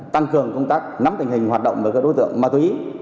tăng cường công tác nắm tình hình hoạt động của các đối tượng ma túy